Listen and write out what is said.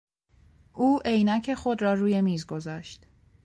او عینک خود را روی میز گذاشت.